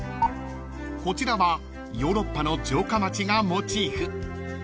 ［こちらはヨーロッパの城下町がモチーフ］